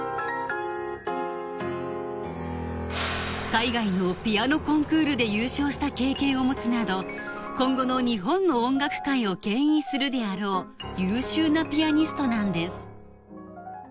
海外のピアノコンクールで優勝した経験を持つなど今後の日本の音楽界をけん引するであろう優秀なピアニストなんです